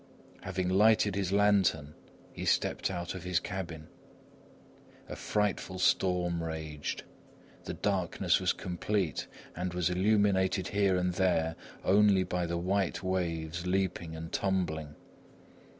Having lighted his lantern, he stepped out of his cabin. A frightful storm raged. The darkness was complete and was illuminated here and there only by the white waves leaping and tumbling.